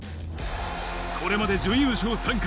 これまで準優勝３回。